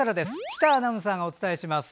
喜多アナウンサーがお伝えします。